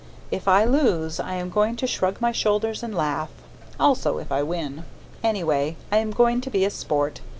If I lose, I am going to shrug my shoulders and laugh also if I win. Anyway, I am going to be a sport.